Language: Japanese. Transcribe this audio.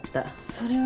それは。